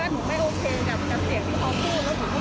วัฒนายเจอก็ว่าไปชมคนอื่นอยากจะให้คนอื่นบ้างใช่ไหม